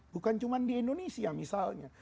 bukan cuma di indonesia misalnya